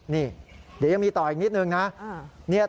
นี่เดี๋ยวยังมีต่ออีกนิดนึงนะ